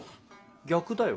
逆だよ。